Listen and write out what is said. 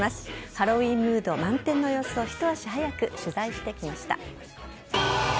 ハロウィーンムード満点の様子をひと足早く取材してきました。